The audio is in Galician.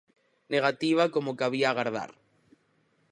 Negativa como cabía agardar.